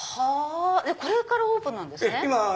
これからオープンなんですね。